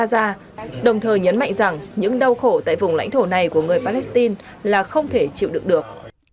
bà đã đến gaza đồng thời nhấn mạnh rằng những đau khổ tại vùng lãnh thổ này của người palestine là không thể chịu được được